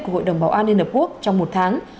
của hội đồng bảo an liên hợp quốc trong một tháng